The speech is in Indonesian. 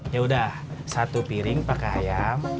yaudah satu piring pakai ayam